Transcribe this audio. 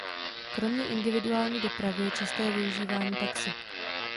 Kromě individuální dopravy je časté využívání taxi.